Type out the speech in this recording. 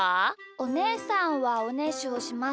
おねえさんはおねしょしますか？